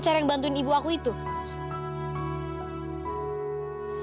tunggu tunggu tunggu